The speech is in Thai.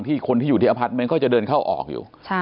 คนที่อยู่ที่อพาร์ทเมนต์ก็จะเดินเข้าออกอยู่